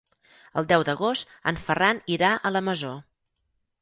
El deu d'agost en Ferran irà a la Masó.